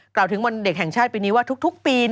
กล่าวถึงวันเด็กแห่งชาติปีนี้ว่าทุกปี